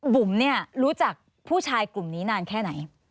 บุ๋มเนี่ยรู้จักผู้ชายกลุ่มนี้นานแค่ไหน